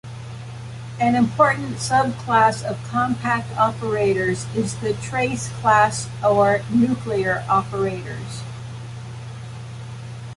An important subclass of compact operators is the trace-class or nuclear operators.